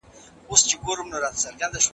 هر ډول مخالفت څرګندول